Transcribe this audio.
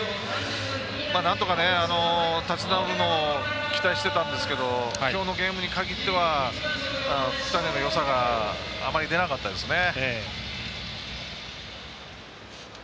なんとか立ち直りも期待してたんですけどきょうのゲームに限っては福谷のよさがあまり出なかったですね。